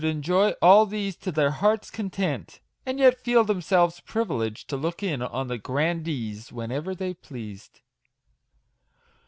enjoy all these to their hearts' content, and yet feel themselves privileged to look in on the grandees whenever they pleased.